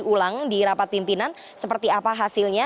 kita akan mencari uang di rapat pimpinan seperti apa hasilnya